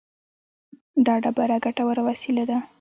دا ډېره ګټوره وسیله وه